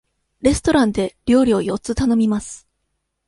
レストランで料理を四つ頼みます。